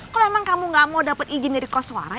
kok emang kamu gak mau dapat izin dari kos suara